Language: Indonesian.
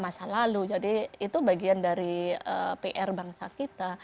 masa lalu jadi itu bagian dari pr bangsa kita